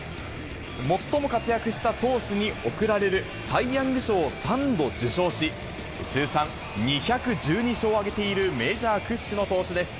最も活躍した投手に贈られるサイ・ヤング賞を３度受賞し、通算２１２勝を挙げている、メジャー屈指の投手です。